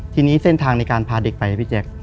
ทีนี้เส้นทางในการพาเด็กไปพี่แจ๊ค